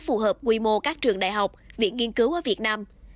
phù hợp quy mô các trường đại học viện nghiên cứu ở việt nam